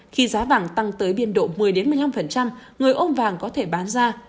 khi giá vàng tăng tới biên độ một mươi một mươi năm người ôm vàng có thể bán ra